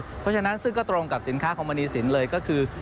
เพราะฉะนั้นซึ่งก็ตรงกับสินค้าของมณีสินเลยก็คือ